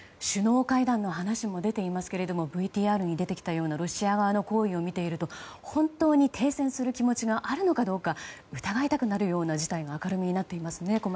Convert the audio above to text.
首脳会談の話も出ていますけどもＶＴＲに出てきたようなロシア側の行為を見ていると本当に停戦する気持ちがあるのかどうか疑いたくなるような事態が明るみになっていますね。